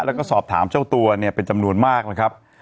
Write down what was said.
แล้วก็สอบถามเจ้าตัวเนี่ยเป็นจำนวนมากนะครับ